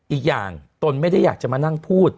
อีกอย่างตนไม่ได้อยากจะมานั่งพูด